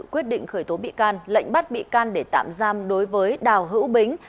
quyết định khởi tố bị can lệnh bắt bị can để tạm giam đối với đào hữu bính